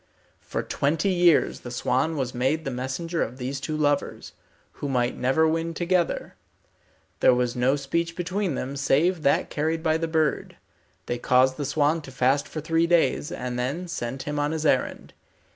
For twenty years the swan was made the messenger of these two lovers, who might never win together. There was no speech between them, save that carried by the bird. They caused the swan to fast for three days, and then sent him on his errand.